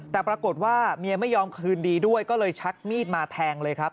แต่ปรากฏว่าเมียไม่ยอมคืนดีด้วยก็เลยชักมีดมาแทงเลยครับ